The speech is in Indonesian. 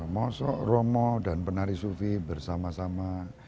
mosok romo dan penari sufi bersama sama